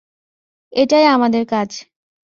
এটাই আমাদের কাজ।